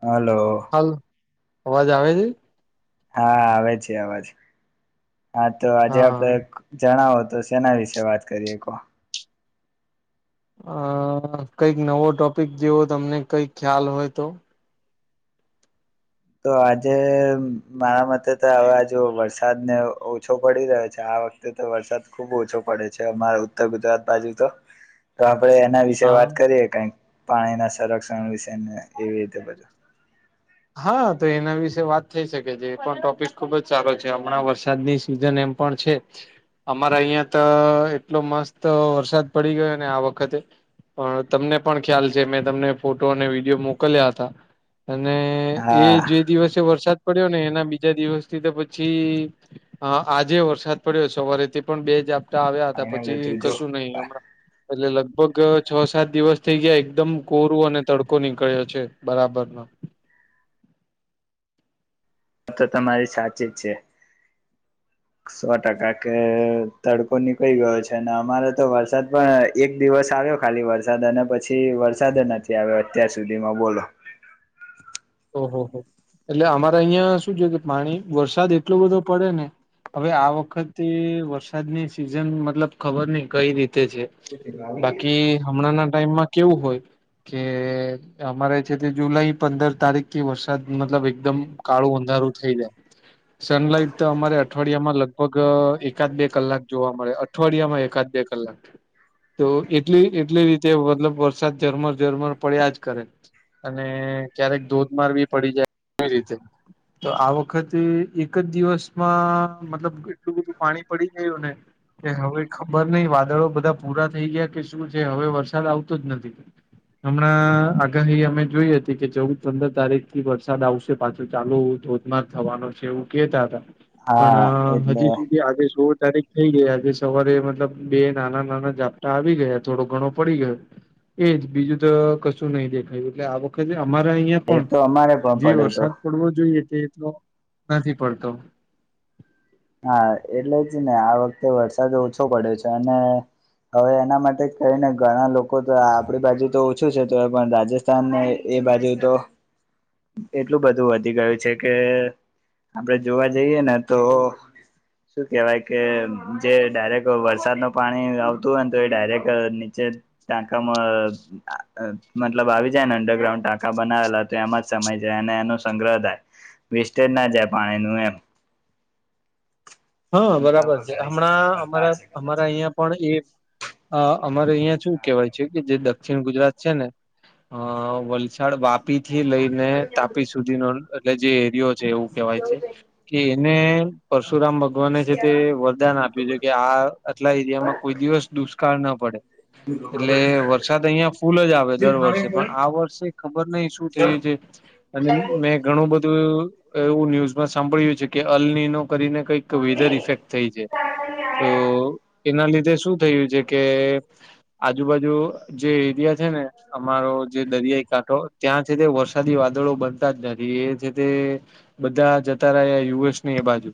Hello ાલ અવાજ આવે આવે જ- હા આવે છે આવાજ હા તો આજે આપડે હા જણાવો તો સેના વિશે વાત કરીએ અ કંઈક નવો ટોપિક જેવો તમને કઈક ખ્યાલ હોય તો તો આજે મારા મતે તો હવેજ વરસાદને ઓછો પડી રહ્યો છે આ વખતે તો વરસાદ ખુબ ઓછો પડે છે અમારા ઉત્તર ગુજરાત બાજુ તો [inaudible] તો આપડે એના વિશે હા વાત કરીએે કઈક પાણીના સંરક્ષણ વિશે એવી રીતે બધું હા તો એના વિશે વાત થઈ શકે છે એ પણ ટોપિક ખુબ જ સારો છે હમણાં વરસાદની સિઝન એમ પણ છે. અમારા અહિયાં તો એટલો મસ્ત વરસાદ પડી ગયો ને આ વખતે પણ તમને પણ ખ્યાલ છે મેં તમને ફોટો અને વિડીયો મોકલ્યા હતા અને એ હા જે દિવસે વરસાદ પડ્યો ને એના બીજા દિવસ થી તો પછી હ આજે વરસાદ પડ્યો સવારેથી પણ બે જ આવ્યા હતા ફાઈનલી પછી તું જો કશું નહી હમણાં એટલે લગભગ છ સાત દિવસ થઇ ગયા એકદમ કોરું અને તડકો નીકળ્યો છે બરાબર હ [inaudible] આ તો તમારી સાચી જ છે. સો ટકા કે તડકો નીકી ગયો છે ને અમારે તો વરસાદ પણ એક દિવસ આવ્યો ખાલી વરસાદ અને પછી વરસાદ નથી આવ્યો અત્યાર સુધીમાં બોલો ઓહહ એટલે અમારે અહિયાં શું છે કે પાણી વરસાદ એટલો બધો પડે ને હવે આ વખતે વરસાદની સિઝન મતલબ ખબર નહ કઈ રીતે છે. બાકી હમણાં ના ટાઈમમાં કેવું હોય કે અમારે છે તે જુલાઈ પંદર તારીખ થી વરસાદ મતલબ એકદમ કાળું અંધારું થઈ જાય. સનલાઈટ તો અમારે અઠવાડિયા માં લગભગ એકાદ બે કલાક જોવા મળે. અઠવાડિયામાં એકાદ બે કલાક તો એટલી એટલી રીતે મતલબ વરસાદ ઝરમર ઝરમર પડ્યા જ કરે. અને ક્યારેક ધોધમારવી પડી જાયવી રીતે તો આ વખત એક જ દિવસમાં મતલબ એટલું બધું પાણી પડી ગયું ને કે હવે ખબર નહિ વાદળો બધા પૂરા થઈ ગયા કે શું છે હવે વરસાદ આવતો જ નથી હમણાં આગાહી અમે જોઈ હતી કે ચૌદ પંદર તારીખ થી વરસાદ આવશે પાછો ચાલુ ધોધમાર થવાનો છે એવું કેતા હતા હા પણ એટલે હજી સુધી આ જો તારી થઈ ગયા આજે સવારે મતલબ બે નાના નાના ઝાપટા આવી ગયા થોડો ઘણો પડી ગયો એજ બીજું તો કશું નહીિ દેખાયું એટલે આ વખતે અમારા અહિયાં એ પણ તો અમારે પણ જે પડ્યો તો વરસાદ પડવો જોઈએ તે એટલો નથી પડતો હા એટલે જ ને આ વખતે વરસાદ ઓછો પડ્યો છે અને હવે એના માટે કઈ ને ઘણા લોકો તો આપણી બાજુ તો ઓછું છે તો પણ રાજસ્થાન ને એ બાજુ તો એટલું બધું વધી ગયું છે કે આપડે જોવા જઈએ ને તો શું કેહેવાય કે જે ડાયરેક્ટ વરસાદ ન પાણી આવતું હોય ને તો એ ડાયરેક્ટ નીચે તકા મ મતલબ આવી જાય ને અંડરગ્રાઉન્ડ ટાંકા બનાવેલા તો એમાં જ સમય જાય અને એનો સંગ્રહ થાય વેસ્ટેજ ના જાય પાણીનું એમ હા મોટા બરાબર પર છે ગાડી સાઈડ હમણાં કરતા અમારા હશે કદાચ અમારા અહિયાં પણ એ અ અમારે અહિયાં શું ના કેહેવાય એવું છે કે જે દક્ષિણ ગુજરાત છે ને અ વલસા વાપી થી લઈને તાપી સુધીનો એટ જે એરિયો છે એવું કેહેવાય છે કે એને પરશુરામ ભગ ને છે તે વરદાન આપ્યું છે કે આ આટલા એરિયામાં કોઈ દિવસ દુષ્કાળ ના પડે એટલે વરસાદ અહં ફૂલ જ આવે દર વર્ષે પણ આ વર્ષે ખબર નહ શું થયું છે અને મે ઘણું બધું એવું ન્યુઝમાં સાંભળ્યું છે કે અલની ન કરીને કઈ એક વેધર ઇફેક્ટ થઈ છે તો એના લીધે શું થયું છે કે આજુબાજુ જે એરિયા છે ને અમારો જે દરિયાઈ કાંઠો ત્યાં છે તે વર્સા વાદળો બનતા જ નથી એ છે તે બધા જતા રહ્યા યુએસ ને એ બાજુ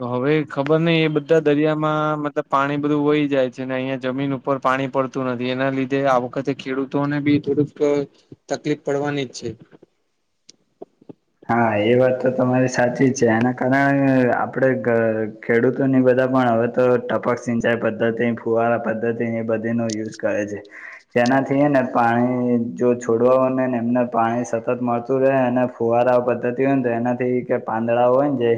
તો હવે ખબર નઈ એ બધા દરિયામાં મતલબ પાણી બધું વહી જાય છે ને અહિયાં જમીન ઉપર ઉપર પાણી પડતું નથી એના લીધે આ વખતે ખેડૂતોને બી થોડુંક તકલીફ પડવાની જ છે હા એ વાત તો તમારી સાચી જ છે એના કારણે આપણે ખેડૂતોની બધા પણ હવે તો ટપક સિંચાઈ પદ્ધતિ ફુવારા પદ્ધતિ એ બધીનો યુઝ કરે છે જેનાથી ને પાણી જો છોડવા હોનેને એમને પાણી સતત મળતું રહે અને ફુવારા પધ્ધતિ હોય ને તો એનાથી પાંદડાઓ હોય ને જે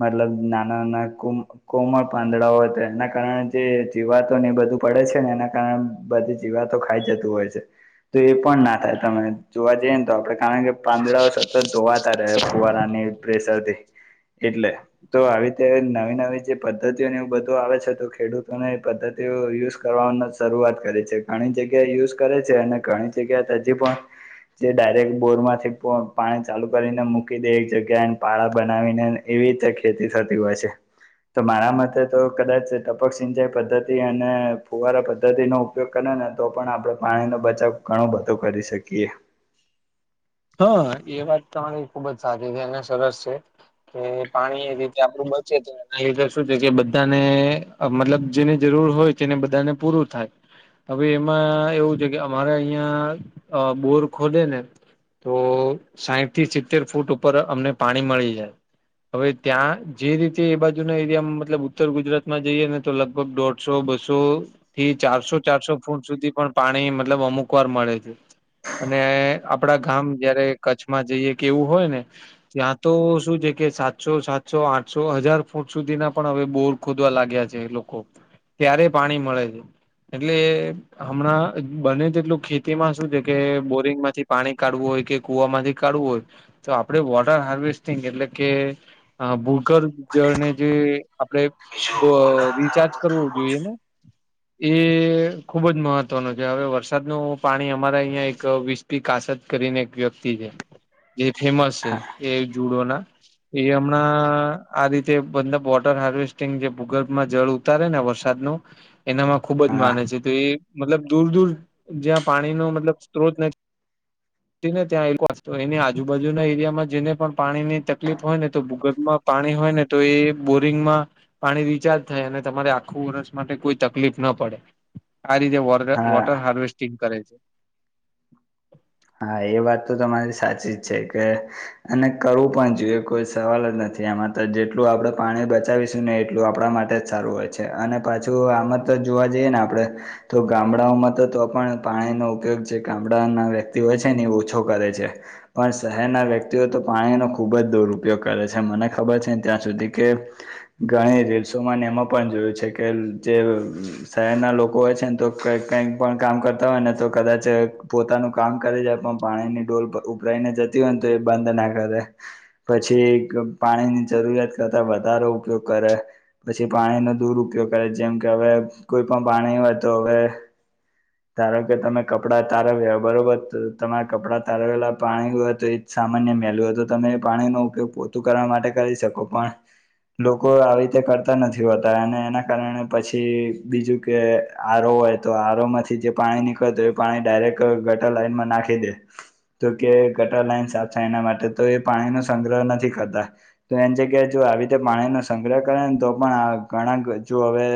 મતલબ નાના નાના કોમળ પાંદડાઓ તો એના કારણે જે જીવાતો ને એ બધું પડે છે ને એના કારણે બધી જીવાતો ખાઈ જતું હોય છે તો એ પણ ના થાય તમે જોવા જઈએ ને તો આપડે કારણ કે પાંદડાઓ ધોવાતા રે ફુવારાની પ્રેશરથી એટલે તો આવી રીતે નવી નવી જે પદ્ધતિઓને એવું બધું આવે છે તો ખેડૂતોને એ પદ્ધતિ તે યુઝ કરવાનો શરૂઆત કરે છે ઘણી જગ્યાએ યુઝ કરે છે અને ઘણી જગ્યા હજી પણ જે ડાયરેક્ટ બોર માંથી પાણી ચાલુ કરીને મૂકી દે એક જગ્યાએને પાળા બનાવીને એવી રીતે ખેતી થતી હોય છે તો મારા મતે તો કદાચ ટપક સિંચાઈ પદ્ધતિ અને ફુવારા પદ્ધતિનો ઉપયોગ કરે ને તો પણ આપણે પાણીનો બચાવ ઘણું બધો કરી શકીએ હા એ વાત તમારી ખુબ જ સારી છે અને સરસ છે કે પાણી એ રીતે આપડું બચે છે એ શું છે કે બધાને મતલબ જેની જરૂર હોય તેને બધાને પૂરું થાય હવે એમાં એવું છે કે અમારે અહિયાં બોર ખોલે ને તો સાહીઠ થી સિત્તેર ફૂટ ઉપર અમને પાણી મળી જાય હવે ત્યાં જે રીતે એ બાજુના એરિયા મતલબ ઉત્તર ગુજરાત માં જઈએ ને તો લગભગ દોઢ સો બસો થી ચારસો ચારસો ફૂટ સુધી પણ પાણી મતલબ અમુક વાર મળે છે અને આપડા ગામ જયારે કચ્છમાં જઈએ કે એવું હોય ને ત્યાં તો શું છે કે સાતસો સાતસો આઠસો હજાર ફૂટ સુધી ના પણ હવે બોર ખોદવા લાગ્યા છે લોકો ત્યારે પાણી મળે છે એટલે હમણાં બને તેટલું ખેતી માં શું છે કે બોરિંગ માંથી પાણી કાઢવું હોય કે કુ વામાંથી કાઢવું હોય તો આપડે વોટર હાર્વેસ્ટિંગ એટલે કે હા ભૂગર્ જળને જે આપડે રિચાર્જ કરવો જોઈએ ને એ ખુબ જ મહત્વનું છે હવે વરસાદનું પાણી અમારા અહીં એક વિ પ કાસત કરીને એક વ્યક્તિ છે જે ફેમસ છે એ જુડો ના એ હમણાં આ રીતે બત વોટર હાર્વેસ્ટિંગ જે ભૂગર્ભમાં જળ ઉતારે ને વરસાદનું એનામાં ખુબ જ હા માને છે તો એ મતલબ દૂર દૂર જ્યાં પાણી ન મતલબ સ્ત્રોત નથી ને ત્યાં એની આજુબાજુના એરિયામાં જેને પણ પાણી ની તકલીફ હોય ને તો ભૂગર્ભમાં પાણી હોય ને તો એ બોરિંગ માં પાણી રિચાર્જ થાય અને તમારે આખું વર્ષ માટે કોઈ તકલીફ ના પડે આ રીતે હા વોટર હાર્વેસ્ટિંગ કરે છે હા એ વાત તો તમારી સાચી જ છે કે અને કરવું પણ જોઈએ કોઈ સવાલ જ નથી આમાં તો જેટલું આપણેે પાણી બચાવીશું ને એટલું આપણા માટે સારું હોય છે અને પાછું આમાં તો જોવા જઈએ ને આપણે તો ગામડાઓમાં તો તો પણ પાણીનો ઉપયોગ છે ગામડાના વ્ય તેવેય છે ને એ ઓછો કરે છે પણ શહેરના વ્યક્તિઓ તો પાણીનો ખૂબ જ દુરુપયોગ કરે છે મને ખબર છે ત્યાં સુધી કે ઘણી રીલ્સોમાંને એમાં પણ જોયું છે કે જે શહેર ના લોકો હોય છે ને તો ક કઈક પણ કામ કરતા હોય ને તો કદાચ પોતાનું કામ કરી જાય પણ પાણી ની ડઢોલ ઉપરાઈને જતી હોય ને તો એ બંધ ના કરે પછી પાણીની જરૂરિયાત કરતાં વધારો ઉપયોગ કરે પછી પાણીનો દુરુપયોગ કરે જેમ કે હવે કોઈ પણ પાણી હોય તો હવે ધારો કે તમે કપડા તારા વવ બરોબર તમારા કપડાં તારવેલા પાણી હોય તો એ જ સામાન્ય મેલું તો તમે પાણી નો ઉપયોગ પો ત કરવા માટે કરી શકો પણ લોકો આવી રીતે કરતા નથી હોતા અને એના કારણે પછી બીજુ કે આરો હોય તો આરો માંથી જે પાણી નીકળત હો એ પાણી ડાયરેક્ટ ગટા લાઈનમાં નાખી દે તો કે ગટર લાઈન સાફ થાય એના માટે તો એ પાણીનોો સંગ્રહ નથી કરતા- તો એની જગ્યાએ જો આવી રીતે પાણીનોો સંગ્રહ કરે ને તો પણ ઘણા જો હવે.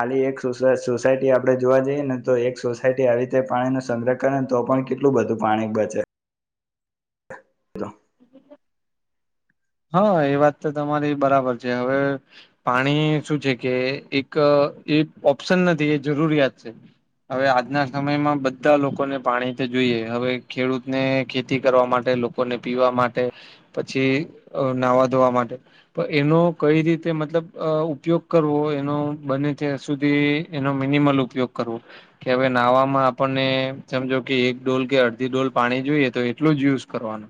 ખાલી એક સોસાયટી આપડે જોવા જઈએ ને તો એક સોસાયટી આવી તે પાણીનોો સંગ્રહ કરે ને તો પણ કેટલું બધું પાણી બચે હલો હા એ વાત તો તમારી બરાબર છે, હવે પાણી શું છે કે એક એ ઓપ્શન નથી એ જરૂરિયાત છે. હવે આજના સમયમાં બધા લોકોને પાણીથી જોઈએ હવે ખેડૂતને ખેતી કરવા માટે લોકોને પીવા માટે પછી નાહવા ધોવા માટે પણ એનો કઈ રીતે મતલબ ઉપયોગ કરવો એનો બને ત્યાં સુધી એનો મિનિમલ ઉપયોગ કરવો કે હવે નાહવામાં આપણને સમજો કે એક ડોલ કે અડધી ડોલ પાણી જોઈએ તો એટલું જ યુઝ કરવાનુ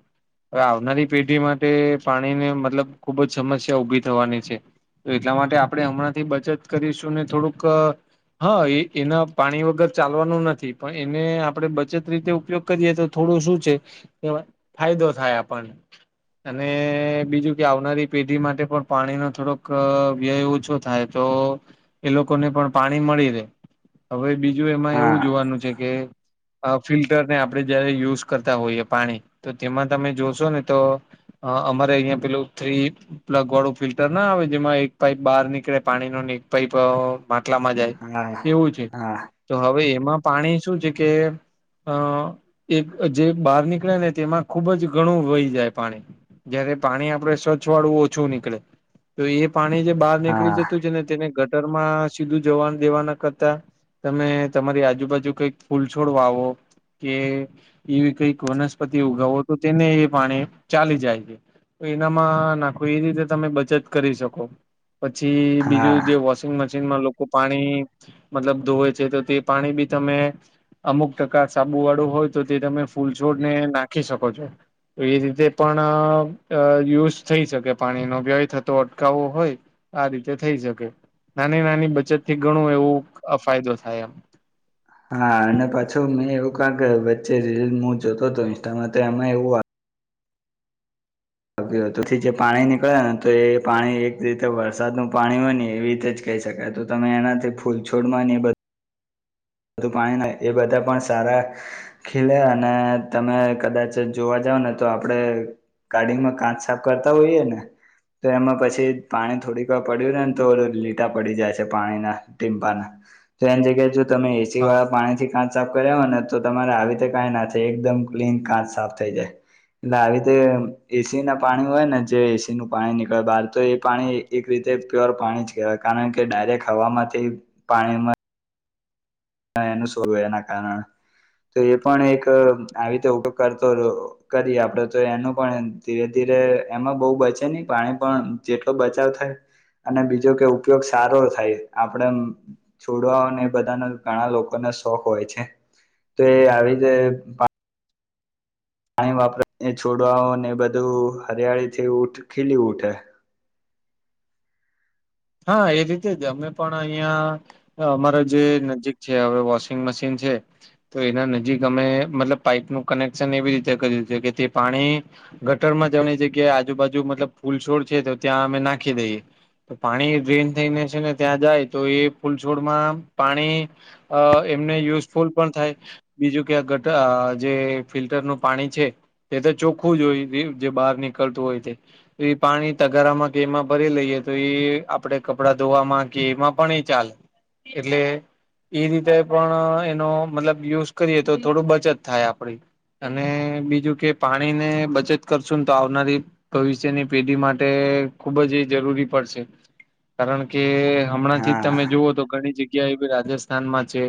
હવે આવનારી પેઢી માટે પાણીની મતલબ ખુબ જ સમસ્યા ઉઊભી થવાની છે. તો એટલા માટે આપણે હમણાં થી બચત કરીશું ને થોડુંક હા, એ એના પાણી વગર ચાલવાનું નથી પણ એને આપડણે બચત રીતે ઉપયોગ. કરીએ તો થોડું શું છે, ફાયદો થાય આપણને. અને બીજું કે, આવનારી પેઢી માટે પણ પાણીનો થોડોક વ્યય ઓછો થાય તો એ લોકોને પણ પાણી મળી રહે. હવે બીજું એમાં હા એવું જોવાનું છે કે અ ફિલ્ટરને આપણે જયારે યુઝ કરતા હોઈએ, પાણી તો તેમાં તમે જોશો ને તો હ, અમારે અહિયાં પેલ થ્રી પ્લગ વાળું ફિલ્ટર ના આવે, જેમાં એક પાઈપ બહાર નીકળે પાણી ન ને એક પાઈપ માટલામાં જાય હા એવું છે હા તો હવે એમાં પાણી શું છે, કે અ એક જે બહાર નીકળે ને, તેમાં ખુબ જ ઘણું વહી જાય પાણી જયારે પાણી આપડે સ્વચ્છ વાળું ઓછું નીકળે, તો એ પાણી જે બહાર હા નીકળી જતું છેને, તેને ગટર માં સીધું જવાનું દેવાના કરતા તમે તમારી આજુબાજુ કંઈક ફૂલ છોડવા આવો કે એવી કંઈક વનસ્પતિ ઉગાવો તો તેને એ પાણી ચાલી જાય એનામાં નાખો, એ રીતે તમે બચત કરી શકો પછી હા બીજું જે વોશિંગ મશીનમાં લોકો પાણી મતલબ ધોવે છે, તો તે પાણી બી તમે અમુક ટકા સાબુ વાળું હોય તો તે તમે ફૂલછોડને નાખી શકો છો. એ રીતે પણ અ યુઝ થઈ શકે પાણીનો વ્યય થતો અટકાવો હોય, આ રીતે થઈ શકે. નાની નાની બચત થી ઘણું એવું ફાયદો થાય એમ હા, અને પાછો મેં એવું કે વચ્ચે રીલ હું જોતો હતો. ઇન્સ્ટામાંમાં એવુ પછી જે પાણી નીકળે ને, તો એ પાણી એક રીતે વરસાદ નું પાણી હોય ને, એવી રીતે જ કહી શકાય, તો તમે એનાથી ફૂલ છોડમાં અને એ બધુ બધું પાણી ના, એ બધા પણ સારા ખીલે, અને તમે કદાચ જોવા જાવ ને તો આપડે કાઢીંગમાં કાચ સાાફ કરતા હોઈએ ને તો એમાં પછી પાણી થોડીક વાર પડ્યું ને, ને તો લીટા પડી જાય છે. પાણીના ટીપાના તો એની જગ્યાએ જો તમે એસી હા વાળા પાણી થી કા સાફ કર્યા હોય ને, તો તમારે આવી રીતે કંઈ ના થાય, એકદમ ક્લીન કાચ સાફ થઈ જાય. એટલે આવી રીતે એસી ના પાણી હોય ને, જે એસી નું પાણી નીકળે બહાર, તો એ પાણી એક રીતે પ્યોર પાણી જ કહેવાય, કારણ કે ડાયરેક્ટ હવાવામાંથી પાણીમા એનું શું? એના કારણ તો એ પણ એક આવી રીતે ઉપયોગ કરતો હતો. કરીએ આપડે તો એનું પણ ધીરે ધીરે, એમાં બહુ બચે નહીં પાણી, પણ જેટલો બચાવ થા અને બીજો કે ઉપયોગ સારો થાય આપડે છોડવાને એ બધાનો ઘણા લોકોને શોખ હોય છે, તો એ આવી જે પાણી વાપરાને છોડવા ઓને બધું હરિયાળી થી ઉ ખીલી ઉઠે. હા, એ રીતે જ અમે પણ અહિયાં. અમારા જે નજીક છે હવે વોશિંગ મશીન છે. તો એના નજીક અમે, મતલબ પાઈપનું કનેક્શન એવી રીતે કર્યું છે કે તે પાણી ગટરમાં જવાની જગ્યા આજુબાજુ, મતલબ ફૂલ છોડ છે, તો ત્યાં અમે નાખી દઈએ. તો પાણી ડ્રેન થઈને છે ને ત્યાં જાય, તો એ ફૂલછોડમાં પાણી. અ એમને યુઝફુલ પણ થાય. બીજું કે ગટ જે ફિલ્ટર નું પાણી છે. તે તો ચોખ્ખું જ હોય, જે બહાર નીકળતું હોય તે. તો એ પાણી તગારામાં એમાં ભરી લઈએ તો એ આપડે કપડા ધોવામાં કે એમાં પણ એ ચાલે એટલે એ રીતે પણ એનો મતલબ યુઝ કરીએ તો થોડું બચત થાય આપડી. અને બીજું કે પાણી ને બચત કરશું ને, તો આવનારી ભવિષ્યની પેઢી માટે ખુબ જ એ જરૂરી પડશે. કારણ કે હમણાં થી જ હા તમે જુઓ તો ઘણી જગ્યા એવી રાજસ્થાનમાં છે.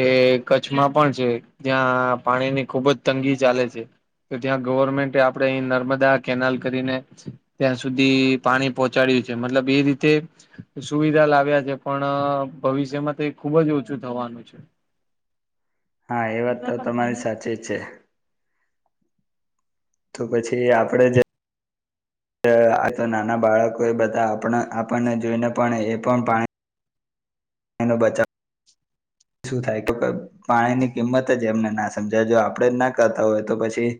એ કચ્છમાં પણ છે, જ્યાં પાણીની ખુબ જ તંગી ચાલે છે. તો ત્યાં ગવર્મેન્ટ આપણેે અહી નર્મદા કેનાલ કરીને ત્યાં સુધી પાણી પોહોંચાડ્યું છે મતલબ એ રીતે તે સુવિધા લાવ્યા છે પણ ભવિષ્યમાં તે ખુબ જ ઓછું થવાનું છે [inaudible] હા એ વાત તો તમારી સાચી જ છે તો પછી આપડે જે આ તો નાના બાળકો એ બધા આપ આપણને જોઈને પણ એ પણ પાણી એનો બચાવ શું થાય કે પાણી ની કિંમત જ એમને ના સમજાય જો આપણેે જ ના કરતા હોય તો પછી